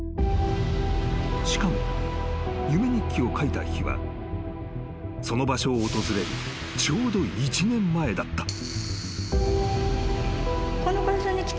［しかも夢日記を書いた日はその場所を訪れるちょうど１年前だった］